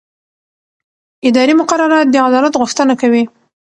اداري مقررات د عدالت غوښتنه کوي.